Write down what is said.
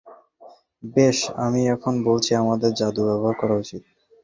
বেশ, আমি এখনো বলছি আমাদের জাদু ব্যবহার করা উচিত।